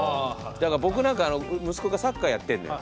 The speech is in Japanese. だから僕なんか息子がサッカーやってんのよ。